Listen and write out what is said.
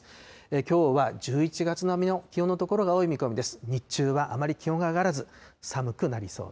きょうは１１月並みの気温の所が多い見込みです。